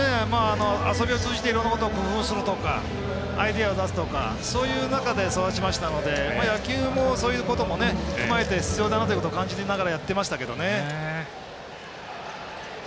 遊びを通じていろいろなことを工夫するとかアイデアを出すとかそういう中で育ちましたので野球もそういうことを踏まえて必要だなと思ってやってましたけどね。